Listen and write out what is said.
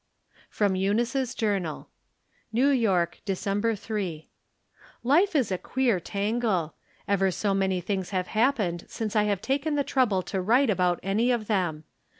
[rEOM Eunice's journal.] New Yobk, December 3. Life is a queer' tangle. Ever so many things have happened since I have taken the trouble to write about any of them.